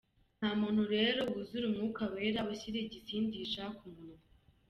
Nta muntu rero wuzura Umwuka Wera ushyira igisindisha ku munwa.